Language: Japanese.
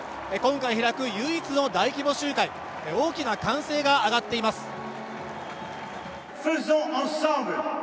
今回開く唯一の大規模集会、大きな歓声が上がっています。